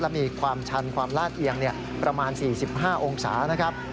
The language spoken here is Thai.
และมีความชันความลาดเอียงประมาณ๔๕องศานะครับ